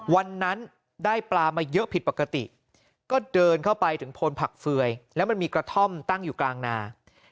วันนั้นได้ปลามาเยอะผิดปกติก็เดินเข้าไปถึงโพนผักเฟือยแล้วมันมีกระท่อมตั้งอยู่กลางนา